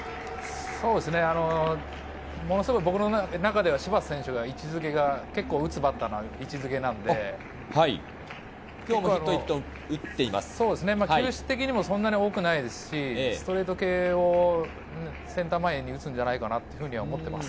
僕の中で柴田選手の位置付けは結構打つバッターなので、球種的にそんなに多くないですし、ストレート系をセンター前、打つんじゃないかなと思っています。